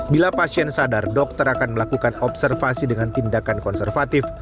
bila pasien sadar dokter akan melakukan observasi dengan tindakan konservatif